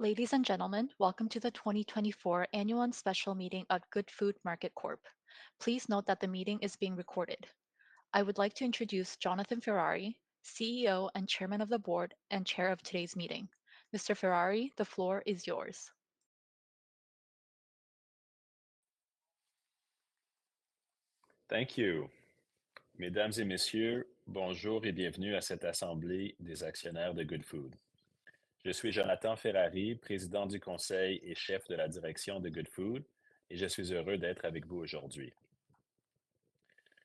Ladies and gentlemen, welcome to the 2024 Annual and Special Meeting of Goodfood Market Corp. Please note that the meeting is being recorded. I would like to introduce Jonathan Ferrari, CEO and Chairman of the Board, and Chair of today's meeting. Mr. Ferrari, the floor is yours. Thank you. Mesdames et Messieurs, bonjour et bienvenue à cette assemblée des actionnaires de Goodfood. Je suis Jonathan Ferrari, président du conseil et chef de la direction de Goodfood, et je suis heureux d'être avec vous aujourd'hui.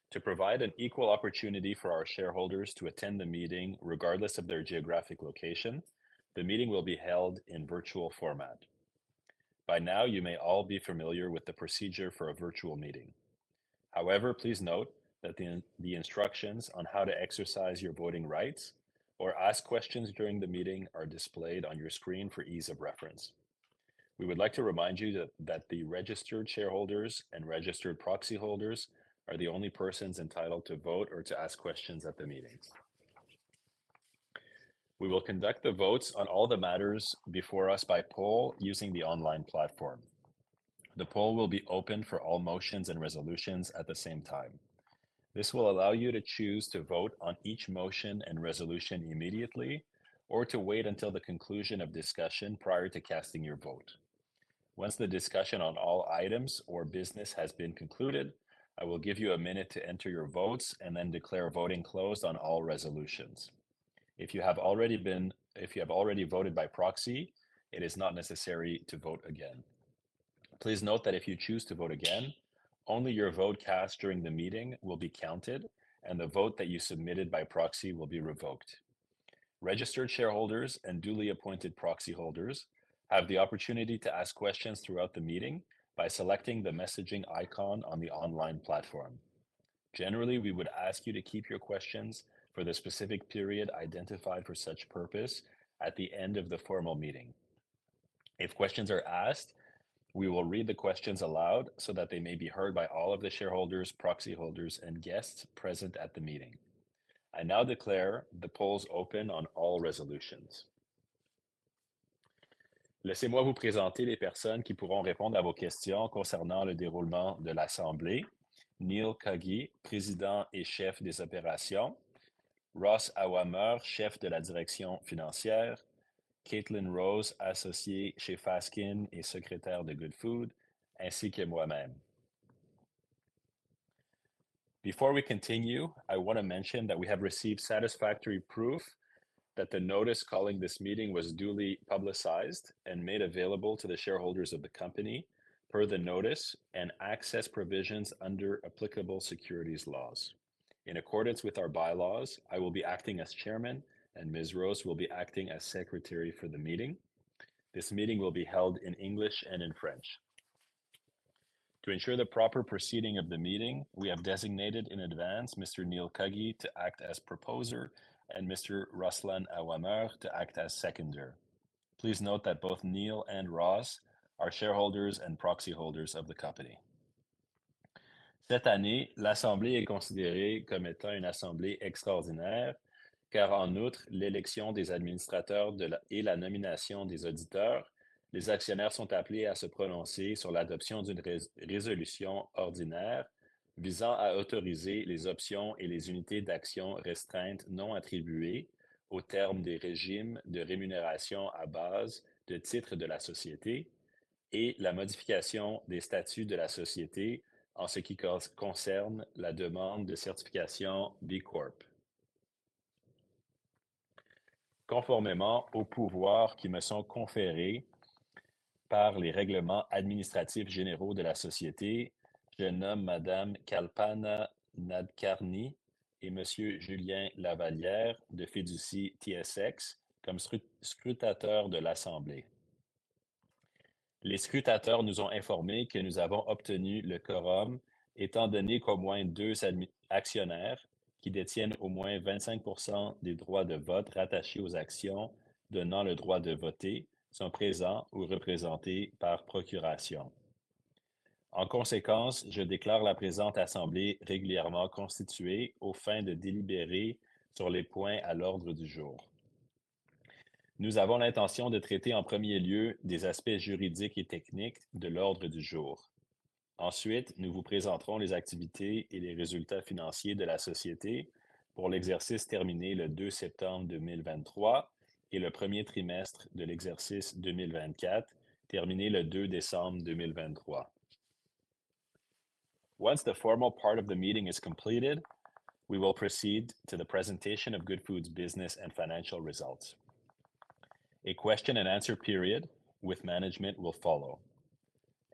To provide an equal opportunity for our shareholders to attend the meeting, regardless of their geographic location, the meeting will be held in virtual format. By now, you may all be familiar with the procedure for a virtual meeting. However, please note that the instructions on how to exercise your voting rights or ask questions during the meeting are displayed on your screen for ease of reference. We would like to remind you that the registered shareholders and registered proxy holders are the only persons entitled to vote or to ask questions at the meetings. We will conduct the votes on all the matters before us by poll using the online platform. The poll will be open for all motions and resolutions at the same time. This will allow you to choose to vote on each motion and resolution immediately, or to wait until the conclusion of discussion prior to casting your vote. Once the discussion on all items or business has been concluded, I will give you a minute to enter your votes and then declare voting closed on all resolutions. If you have already voted by proxy, it is not necessary to vote again. Please note that if you choose to vote again, only your vote cast during the meeting will be counted, and the vote that you submitted by proxy will be revoked. Registered shareholders and duly appointed proxy holders have the opportunity to ask questions throughout the meeting by selecting the messaging icon on the online platform. Generally, we would ask you to keep your questions for the specific period identified for such purpose at the end of the formal meeting. If questions are asked, we will read the questions aloud so that they may be heard by all of the shareholders, proxy holders, and guests present at the meeting. I now declare the polls open on all resolutions. Laissez-moi vous présenter les personnes qui pourront répondre à vos questions concernant le déroulement de l'assemblée: Neil Cuggy, président et chef des opérations, Roslane Aouameur, chef de la direction financière, Caitlin Rose, associée chez Fasken et secrétaire de Goodfood, ainsi que moi-même. Before we continue, I want to mention that we have received satisfactory proof that the notice calling this meeting was duly publicized and made available to the shareholders of the company per the notice and access provisions under applicable securities laws. In accordance with our bylaws, I will be acting as chairman, and Ms. Rose will be acting as secretary for the meeting. This meeting will be held in English and in French. To ensure the proper proceeding of the meeting, we have designated in advance Mr. Neil Cuggy to act as proposer and Mr. Ross Aouameur to act as seconder. Please note that both Neil and Ross are shareholders and proxy holders of the company. Cette année, l'assemblée est considérée comme étant une assemblée extraordinaire, car en outre l'élection des administrateurs de la, et la nomination des auditeurs, les actionnaires sont appelés à se prononcer sur l'adoption d'une résolution ordinaire visant à autoriser les options et les unités d'actions restreintes non attribuées aux termes des régimes de rémunération à base de titres de la Société et la modification des statuts de la Société en ce qui concerne la demande de certification B Corp. Conformément aux pouvoirs qui me sont conférés par les règlements administratifs généraux de la Société, je nomme Madame Kalpana Nadkarni et Monsieur Julien Lavallière, de Fiducie TSX, comme scrutateurs de l'assemblée. Les scrutateurs nous ont informés que nous avons obtenu le quorum, étant donné qu'au moins deux actionnaires qui détiennent au moins 25% des droits de vote rattachés aux actions donnant le droit de voter, sont présents ou représentés par procuration. En conséquence, je déclare la présente assemblée régulièrement constituée aux fins de délibérer sur les points à l'ordre du jour. Nous avons l'intention de traiter en premier lieu des aspects juridiques et techniques de l'ordre du jour. Ensuite, nous vous présenterons les activités et les résultats financiers de la Société pour l'exercice terminé le 2 septembre 2023 et le premier trimestre de l'exercice 2024, terminé le 2 décembre 2023. Once the formal part of the meeting is completed, we will proceed to the presentation of Goodfood's business and financial results. A question-and-answer period with management will follow.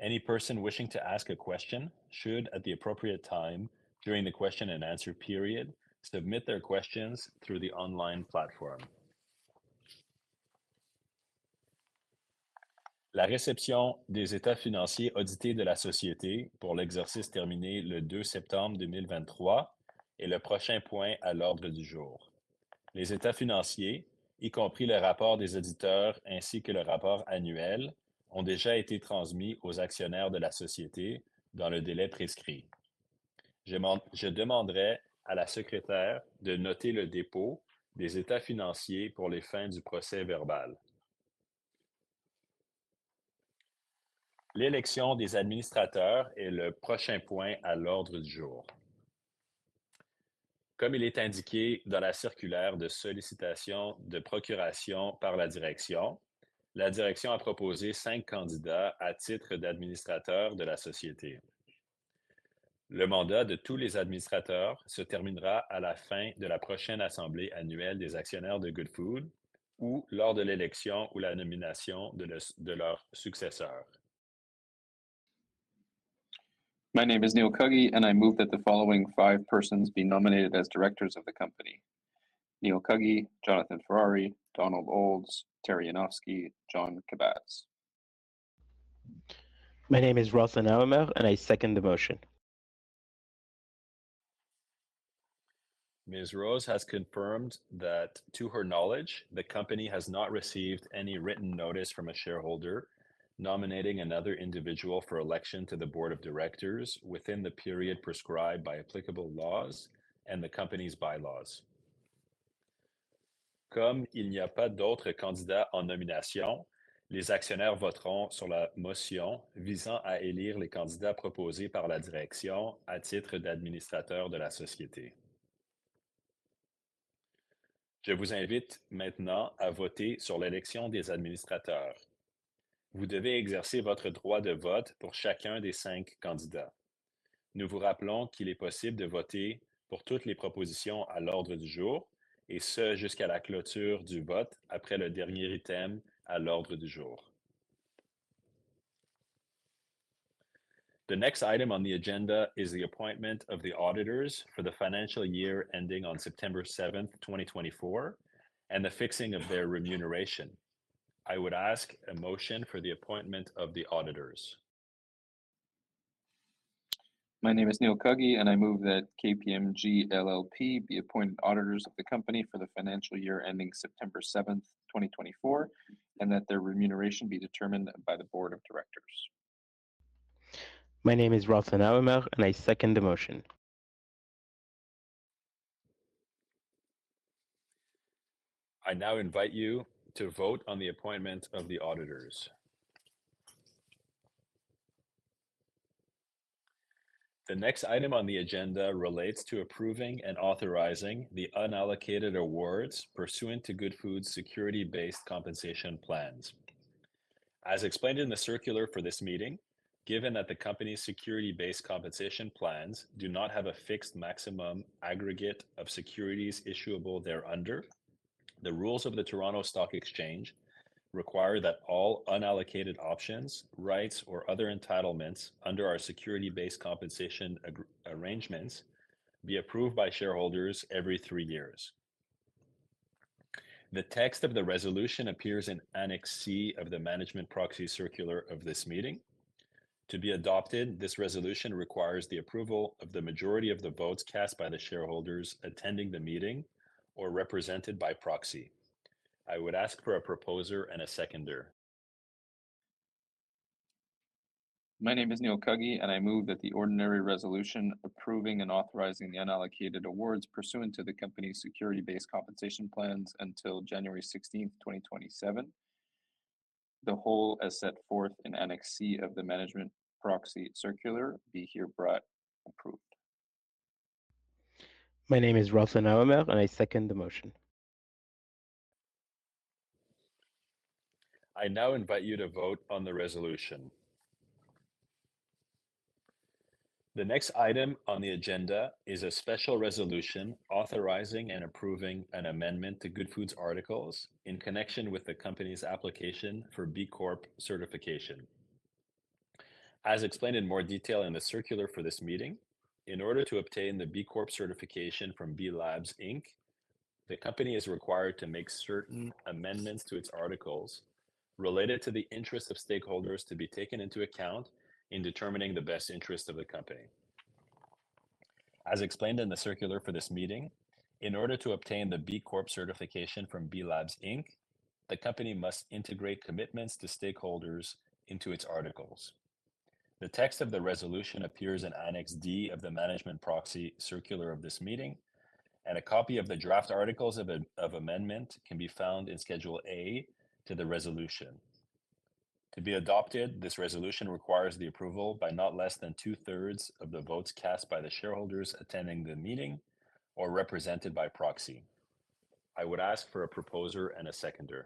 Any person wishing to ask a question should, at the appropriate time during the question-and-answer period, submit their questions through the online platform. La réception des états financiers audités de la Société pour l'exercice terminé le 2 septembre 2023 est le prochain point à l'ordre du jour. Les états financiers, y compris le rapport des auditeurs ainsi que le rapport annuel, ont déjà été transmis aux actionnaires de la Société dans le délai prescrit. Je demanderais à la secrétaire de noter le dépôt des états financiers pour les fins du procès-verbal. L'élection des administrateurs est le prochain point à l'ordre du jour. Comme il est indiqué dans la circulaire de sollicitation de procuration par la direction, la direction a proposé 5 candidats à titre d'administrateurs de la société. Le mandat de tous les administrateurs se terminera à la fin de la prochaine assemblée annuelle des actionnaires de Goodfood ou lors de l'élection ou la nomination de leur successeur. My name is Neil Cuggy and I move that the following five persons be nominated as directors of the company: Neil Cuggy, Jonathan Ferrari, Donald Olds, Terry Yanofsky, John Khabbaz. My name is Roslane Aouameur, and I second the motion. Ms. Rose has confirmed that, to her knowledge, the company has not received any written notice from a shareholder nominating another individual for election to the board of directors within the period prescribed by applicable laws and the company's bylaws. Comme il n'y a pas d'autres candidats en nomination, les actionnaires voteront sur la motion visant à élire les candidats proposés par la direction à titre d'administrateur de la société. Je vous invite maintenant à voter sur l'élection des administrateurs. Vous devez exercer votre droit de vote pour chacun des cinq candidats. Nous vous rappelons qu'il est possible de voter pour toutes les propositions à l'ordre du jour, et ce, jusqu'à la clôture du vote, après le dernier item à l'ordre du jour. The next item on the agenda is the appointment of the auditors for the financial year ending on September 7, 2024, and the fixing of their remuneration. I would ask a motion for the appointment of the auditors. My name is Neil Cuggy, and I move that KPMG LLP be appointed auditors of the company for the financial year ending September 7, 2024, and that their remuneration be determined by the board of directors. My name is RoslaneAouameur, and I second the motion. I now invite you to vote on the appointment of the auditors. The next item on the agenda relates to approving and authorizing the unallocated awards pursuant to Goodfood's security-based compensation plans. As explained in the circular for this meeting, given that the company's security-based compensation plans do not have a fixed maximum aggregate of securities issuable thereunder, the rules of the Toronto Stock Exchange require that all unallocated options, rights, or other entitlements under our security-based compensation arrangements be approved by shareholders every three years. The text of the resolution appears in Annex C of the management proxy circular of this meeting. To be adopted, this resolution requires the approval of the majority of the votes cast by the shareholders attending the meeting or represented by proxy. I would ask for a proposer and a seconder. My name is Neil Cuggy, and I move that the ordinary resolution approving and authorizing the unallocated awards pursuant to the company's security-based compensation plans until January 16, 2027, the whole as set forth in Annex C of the Management Proxy Circular, be hereby approved. My name is Roslane Aouameur, and I second the motion. I now invite you to vote on the resolution. The next item on the agenda is a special resolution authorizing and approving an amendment to Goodfood's articles in connection with the company's application for B Corp certification. As explained in more detail in the circular for this meeting, in order to obtain the B Corp certification from B Lab, the company is required to make certain amendments to its articles related to the interest of stakeholders to be taken into account in determining the best interest of the company. As explained in the circular for this meeting, in order to obtain the B Corp certification from B Lab, the company must integrate commitments to stakeholders into its articles. The text of the resolution appears in Annex D of the management proxy circular of this meeting, and a copy of the draft articles of amendment can be found in Schedule A to the resolution. To be adopted, this resolution requires the approval by not less than two-thirds of the votes cast by the shareholders attending the meeting or represented by proxy. I would ask for a proposer and a seconder.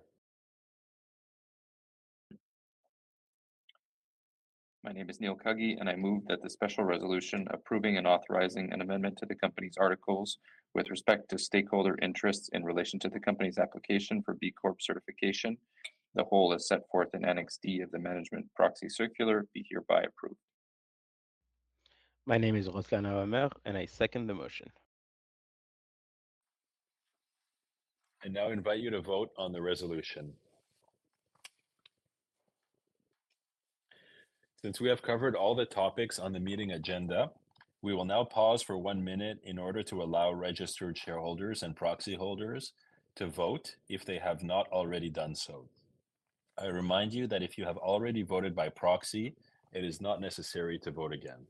My name is Neil Cuggy, and I move that the special resolution approving and authorizing an amendment to the company's articles with respect to stakeholder interests in relation to the company's application for B Corp certification, the whole as set forth in Annex D of the management proxy circular, be hereby approved. My name is Roslane Aouameur, and I second the motion. I now invite you to vote on the resolution. Since we have covered all the topics on the meeting agenda, we will now pause for one minute in order to allow registered shareholders and proxy holders to vote if they have not already done so... I remind you that if you have already voted by proxy, it is not necessary to vote again.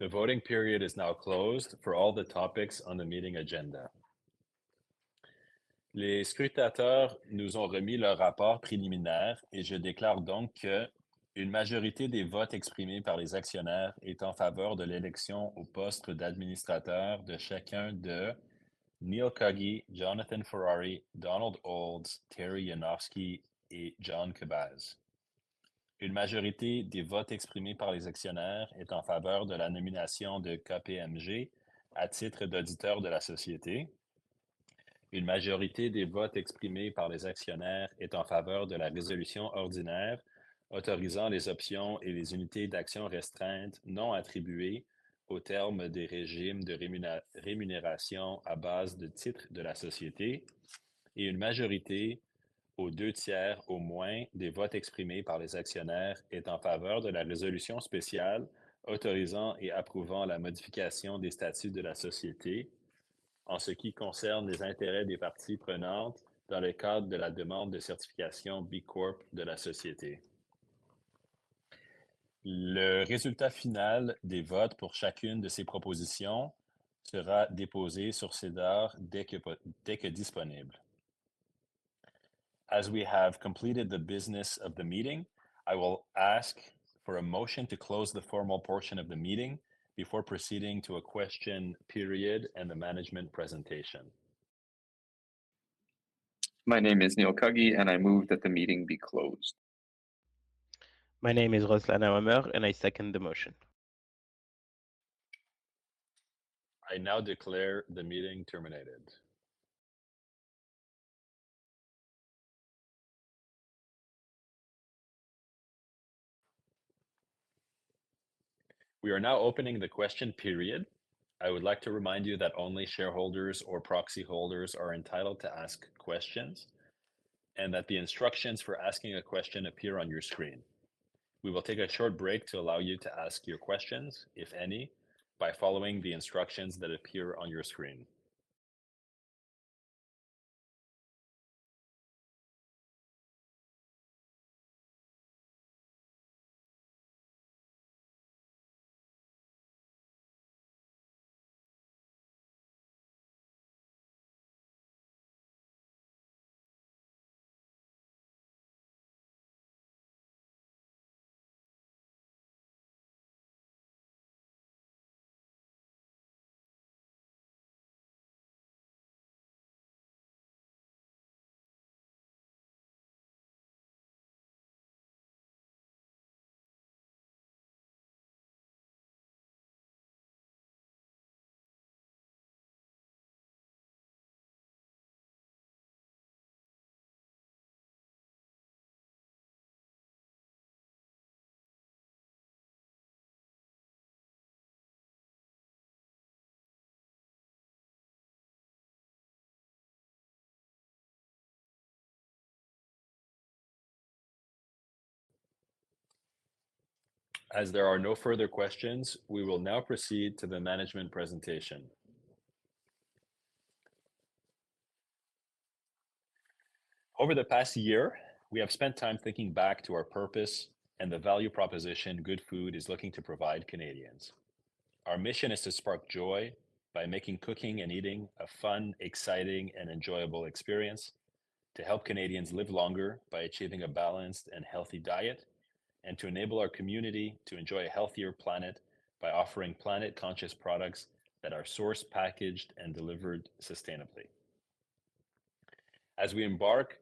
The voting period is now closed for all the topics on the meeting agenda. Les scrutateurs nous ont remis leur rapport préliminaire, et je déclare donc que une majorité des votes exprimés par les actionnaires est en faveur de l'élection au poste d'administrateur de chacun de Neil Cuggy, Jonathan Ferrari, Donald Olds, Terry Yanofsky et John Khabbaz. Une majorité des votes exprimés par les actionnaires est en faveur de la nomination de KPMG à titre d'auditeur de la société. Une majorité des votes exprimés par les actionnaires est en faveur de la résolution ordinaire, autorisant les options et les unités d'actions restreintes non attribuées aux termes des régimes de rémunération à base de titres de la société, et une majorité aux deux tiers au moins des votes exprimés par les actionnaires est en faveur de la résolution spéciale, autorisant et approuvant la modification des statuts de la société en ce qui concerne les intérêts des parties prenantes dans le cadre de la demande de certification B Corp de la société. Le résultat final des votes pour chacune de ces propositions sera déposé sur SEDAR dès que disponible. As we have completed the business of the meeting, I will ask for a motion to close the formal portion of the meeting before proceeding to a question period and the management presentation. My name is Neil Cuggy, and I move that the meeting be closed. My name is Roslane Aouameur, and I second the motion. I now declare the meeting terminated. We are now opening the question period. I would like to remind you that only shareholders or proxy holders are entitled to ask questions, and that the instructions for asking a question appear on your screen. We will take a short break to allow you to ask your questions, if any, by following the instructions that appear on your screen. As there are no further questions, we will now proceed to the management presentation. Over the past year, we have spent time thinking back to our purpose and the value proposition Goodfood is looking to provide Canadians. Our mission is to spark joy by making, cooking, and eating a fun, exciting, and enjoyable experience, to help Canadians live longer by achieving a balanced and healthy diet, and to enable our community to enjoy a healthier planet by offering planet-conscious products that are sourced, packaged, and delivered sustainably. As we embark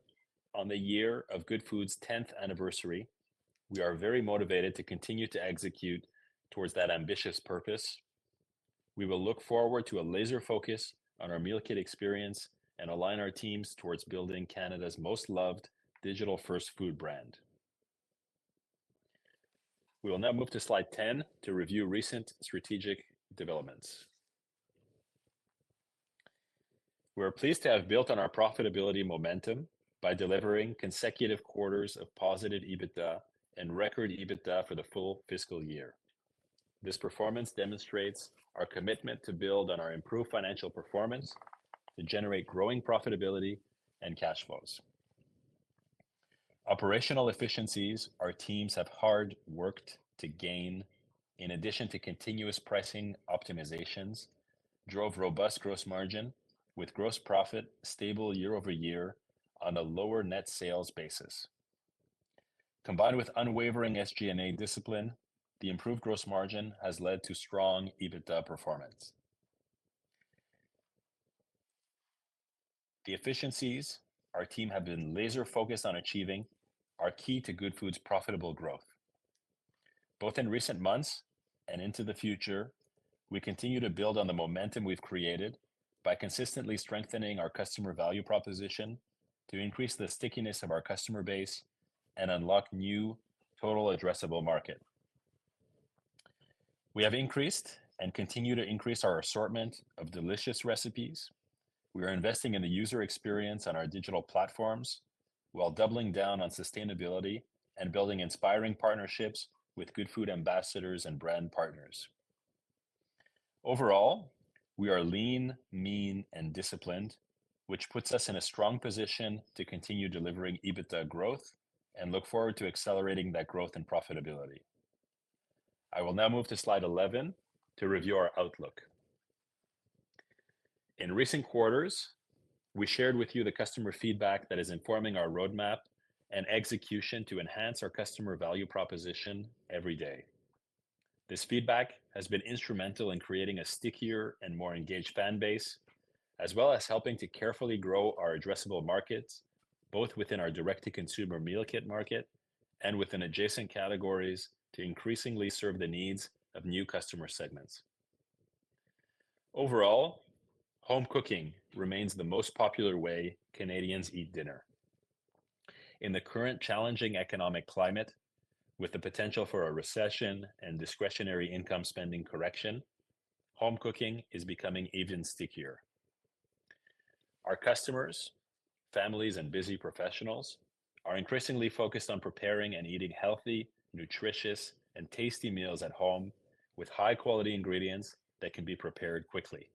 on the year of Goodfood's 10th anniversary, we are very motivated to continue to execute towards that ambitious purpose. We will look forward to a laser focus on our meal kit experience and align our teams towards building Canada's most loved digital-first food brand. We will now move to slide 10 to review recent strategic developments. We're pleased to have built on our profitability momentum by delivering consecutive quarters of positive EBITDA and record EBITDA for the full fiscal year. This performance demonstrates our commitment to build on our improved financial performance, to generate growing profitability and cash flows. Operational efficiencies our teams have worked hard to gain, in addition to continuous pricing optimizations, drove robust gross margin with gross margin stable year-over-year on a lower net sales basis. Combined with unwavering SG&A discipline, the improved gross margin has led to strong EBITDA performance. The efficiencies our team have been laser-focused on achieving are key to Goodfood's profitable growth. Both in recent months and into the future, we continue to build on the momentum we've created by consistently strengthening our customer value proposition to increase the stickiness of our customer base and unlock new total addressable market. We have increased and continue to increase our assortment of delicious recipes. We are investing in the user experience on our digital platforms, while doubling down on sustainability and building inspiring partnerships with Goodfood ambassadors and brand partners. Overall, we are lean, mean, and disciplined, which puts us in a strong position to continue delivering EBITDA growth, and look forward to accelerating that growth and profitability. I will now move to slide 11 to review our outlook. In recent quarters, we shared with you the customer feedback that is informing our roadmap and execution to enhance our customer value proposition every day. This feedback has been instrumental in creating a stickier and more engaged fan base, as well as helping to carefully grow our addressable markets, both within our direct-to-consumer meal kit market and within adjacent categories to increasingly serve the needs of new customer segments. Overall, home cooking remains the most popular way Canadians eat dinner. In the current challenging economic climate, with the potential for a recession and discretionary income spending correction, home cooking is becoming even stickier. Our customers, families, and busy professionals are increasingly focused on preparing and eating healthy, nutritious, and tasty meals at home with high-quality ingredients that can be prepared quickly.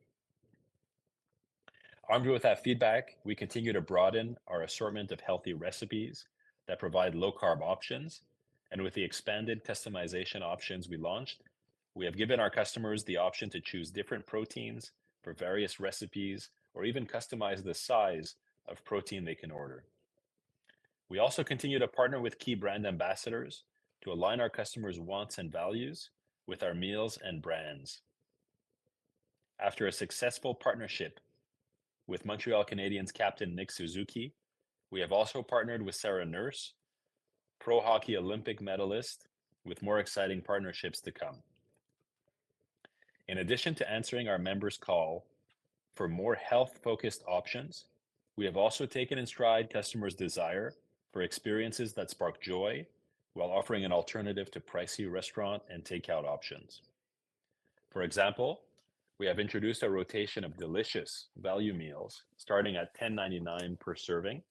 Armed with that feedback, we continue to broaden our assortment of healthy recipes that provide low-carb options, and with the expanded customization options we launched, we have given our customers the option to choose different proteins for various recipes or even customize the size of protein they can order. We also continue to partner with key brand ambassadors to align our customers' wants and values with our meals and brands. After a successful partnership with Montreal Canadiens' captain Nick Suzuki, we have also partnered with Sarah Nurse, pro hockey Olympic medalist, with more exciting partnerships to come. In addition to answering our members' call for more health-focused options, we have also taken in stride customers' desire for experiences that spark joy while offering an alternative to pricey restaurant and takeout options. For example, we have introduced a rotation of delicious value meals starting at 10.99 per serving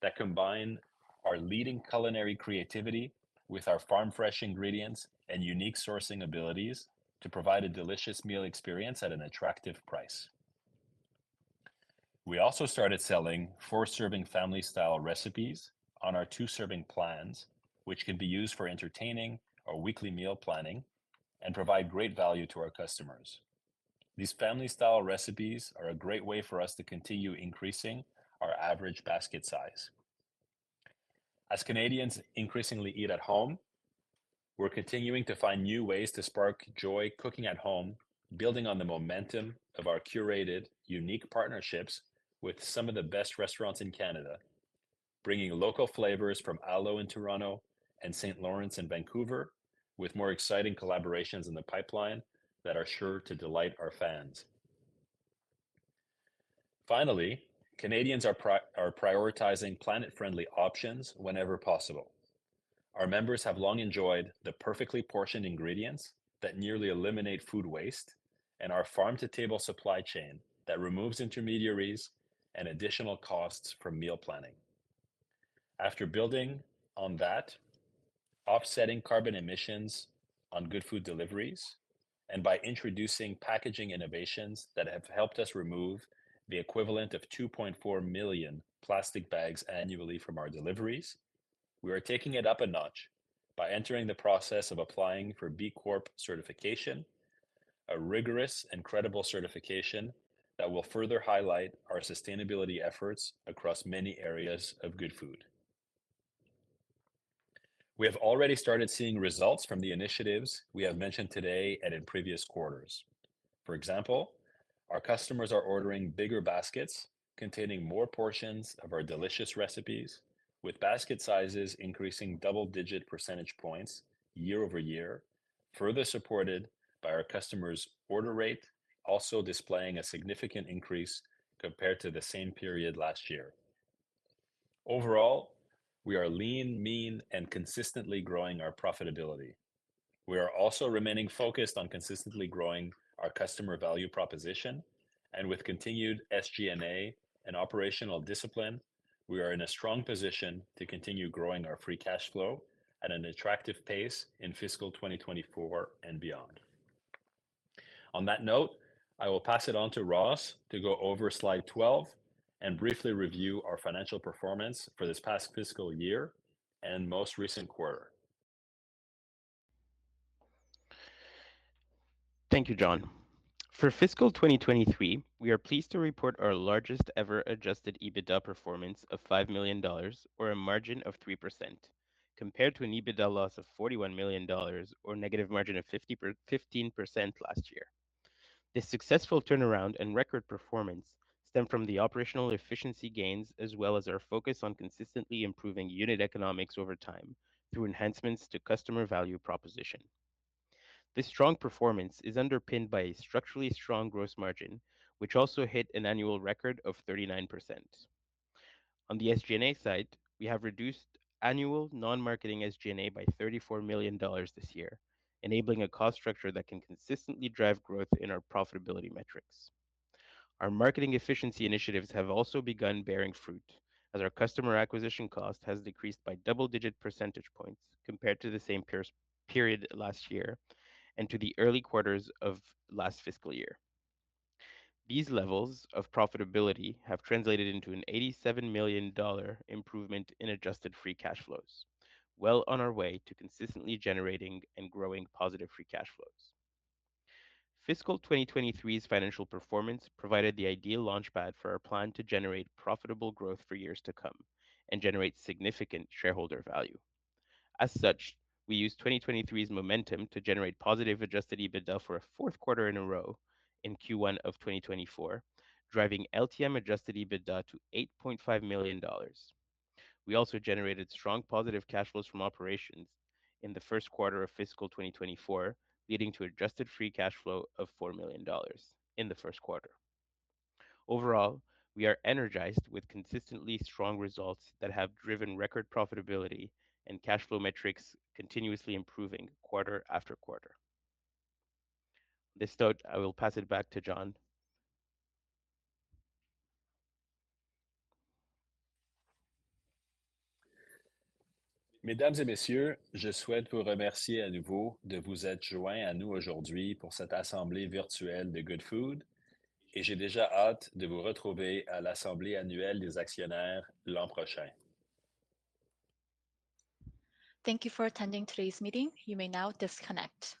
that combine our leading culinary creativity with our farm-fresh ingredients and unique sourcing abilities to provide a delicious meal experience at an attractive price. We also started selling 4-serving family-style recipes on our 2-serving plans, which can be used for entertaining or weekly meal planning and provide great value to our customers. These family-style recipes are a great way for us to continue increasing our average basket size. As Canadians increasingly eat at home, we're continuing to find new ways to spark joy cooking at home, building on the momentum of our curated, unique partnerships with some of the best restaurants in Canada, bringing local flavors from Alo in Toronto and St. Lawrence in Vancouver, with more exciting collaborations in the pipeline that are sure to delight our fans. Finally, Canadians are prioritizing planet-friendly options whenever possible. Our members have long enjoyed the perfectly portioned ingredients that nearly eliminate food waste and our farm-to-table supply chain that removes intermediaries and additional costs from meal planning. After building on that, offsetting carbon emissions on Goodfood deliveries, and by introducing packaging innovations that have helped us remove the equivalent of 2.4 million plastic bags annually from our deliveries, we are taking it up a notch by entering the process of applying for B Corp certification, a rigorous and credible certification that will further highlight our sustainability efforts across many areas of Goodfood. We have already started seeing results from the initiatives we have mentioned today and in previous quarters. For example, our customers are ordering bigger baskets containing more portions of our delicious recipes, with basket sizes increasing double-digit percentage points year-over-year, further supported by our customers' order rate, also displaying a significant increase compared to the same period last year. Overall, we are lean, mean, and consistently growing our profitability. We are also remaining focused on consistently growing our customer value proposition, and with continued SG&A and operational discipline, we are in a strong position to continue growing our free cash flow at an attractive pace in fiscal 2024 and beyond. On that note, I will pass it on to Ross to go over slide 12 and briefly review our financial performance for this past fiscal year and most recent quarter.... Thank you, John. For fiscal 2023, we are pleased to report our largest ever Adjusted EBITDA performance of 5 million dollars, or a margin of 3%, compared to an EBITDA loss of 41 million dollars or negative margin of 51.5% last year. This successful turnaround and record performance stem from the operational efficiency gains, as well as our focus on consistently improving unit economics over time through enhancements to customer value proposition. This strong performance is underpinned by a structurally strong gross margin, which also hit an annual record of 39%. On the SG&A side, we have reduced annual non-marketing SG&A by 34 million dollars this year, enabling a cost structure that can consistently drive growth in our profitability metrics. Our marketing efficiency initiatives have also begun bearing fruit, as our customer acquisition cost has decreased by double-digit percentage points compared to the same period last year and to the early quarters of last fiscal year. These levels of profitability have translated into a 87 million dollar improvement in adjusted free cash flows, well on our way to consistently generating and growing positive free cash flows. Fiscal 2023's financial performance provided the ideal launchpad for our plan to generate profitable growth for years to come and generate significant shareholder value. As such, we used 2023's momentum to generate positive Adjusted EBITDA for a fourth quarter in a row in Q1 of 2024, driving LTM Adjusted EBITDA to 8.5 million dollars. We also generated strong positive cash flows from operations in the first quarter of fiscal 2024, leading to adjusted free cash flow of 4 million dollars in the first quarter. Overall, we are energized with consistently strong results that have driven record profitability and cash flow metrics continuously improving quarter after quarter. On this note, I will pass it back to John. Mesdames et Messieurs, je souhaite vous remercier à nouveau de vous être joint à nous aujourd'hui pour cette assemblée virtuelle de Goodfood, et j'ai déjà hâte de vous retrouver à l'assemblée annuelle des actionnaires l'an prochain. Thank you for attending today's meeting. You may now disconnect.